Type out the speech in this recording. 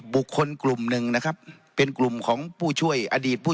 บุคคลกลุ่มหนึ่งนะครับเป็นกลุ่มของผู้ช่วยอดีตผู้